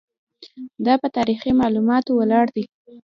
دا په تاریخي معلوماتو ولاړ دی.